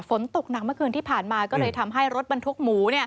ฝนตกหนักเมื่อคืนที่ผ่านมาก็เลยทำให้รถบรรทุกหมู